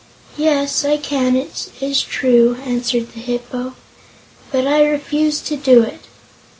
"Yes; I can, it is true," answered the Hip po; "but I refuse to do it.